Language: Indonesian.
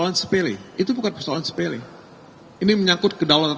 menganggap itu persoalan sepele itu bukan persoalan sepele ini menyangkut kedaulatan